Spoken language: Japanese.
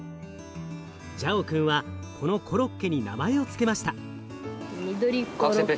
ジャオ君はこのコロッケに名前を付けました。